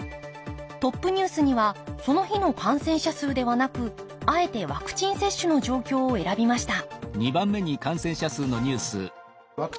トップニュースにはその日の感染者数ではなくあえてワクチン接種の状況を選びました